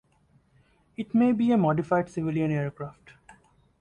It may be a modified civilian aircraft.